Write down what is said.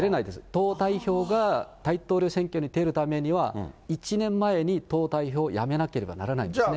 党代表が大統領選挙に出るためには、１年前に党代表を辞めなければならないんですね。